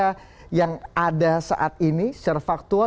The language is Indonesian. apa yang ada saat ini secara faktual